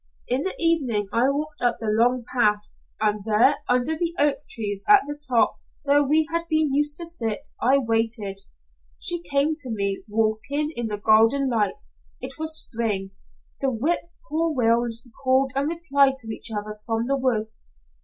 In the evening I walked up the long path, and there under the oak trees at the top where we had been used to sit, I waited. She came to me, walking in the golden light. It was spring. The whip poor wills called and replied to each other from the woods.